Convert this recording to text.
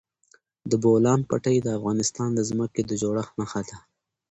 د بولان پټي د افغانستان د ځمکې د جوړښت نښه ده.